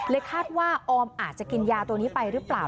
คาดว่าออมอาจจะกินยาตัวนี้ไปหรือเปล่า